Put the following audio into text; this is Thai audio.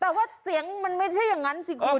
แต่ว่าเสียงมันไม่ใช่อย่างนั้นสิคุณ